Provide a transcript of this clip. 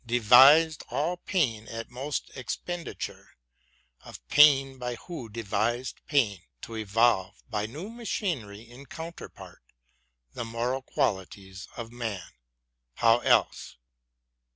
Devised, — all pain, at most expenditure Of pain by Who devised pain, — to evolve By new machinery in counterpart The moral qualities of man, — how else